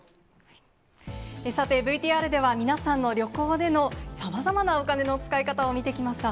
さて、ＶＴＲでは、皆さんの旅行でのさまざまなお金の使い方を見てきました。